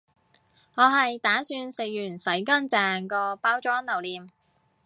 我係打算食完洗乾淨個包裝留念